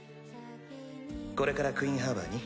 これからクイン・ハーバーに？